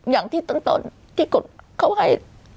อย่างที่ตอนที่กดเข้าให้